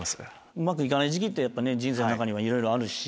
うまくいかない時期って人生の中にはいろいろあるし。